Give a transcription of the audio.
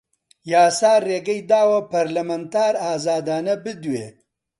یاسا ڕێگەی داوە پەرلەمانتار ئازادانە بدوێ